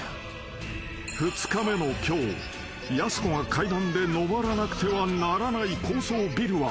［２日目の今日やす子が階段で上らなくてはならない高層ビルは］